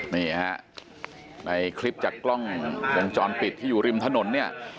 นี่ฮะในคลิปจากกล้องวงจรปิดที่อยู่ริมถนนเนี่ย